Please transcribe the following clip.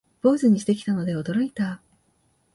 坊主にしてきたので驚いた